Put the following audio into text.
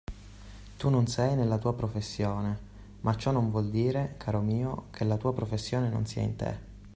Tu non sei nella tua professione, ma ciò non vuol dire, caro mio, che la tua professione non sia in te!